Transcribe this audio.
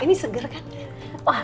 ini seger kan